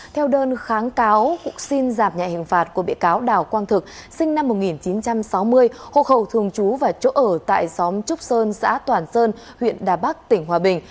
theo đơn kháng cáo xin giảm nhạy hình phạt của bị cáo đào quang thực sinh năm một nghìn chín trăm sáu mươi hộ khẩu thường trú và chỗ ở tại xóm trúc sơn xã toàn sơn huyện đà bắc tỉnh hòa bình